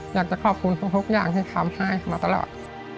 อยากจะขอบคุณทุกอย่างที่ทำให้มาตลอด